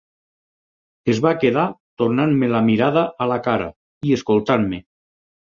Es va quedar tornant-me la mirada a la cara i escoltant-me.